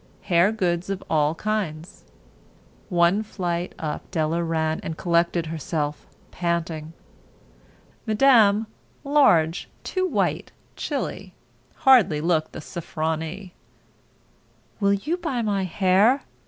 Hair Goods of All Kinds." One flight up Della ran, and collected herself, panting. Madame, large, too white, chilly, hardly looked the "Sofronie." "Will you buy my hair?"